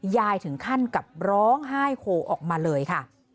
ยายถึงขั้นกับร้องไห้โฮออกมาเลยค่ะ